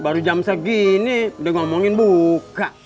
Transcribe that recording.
baru jam segini udah ngomongin buka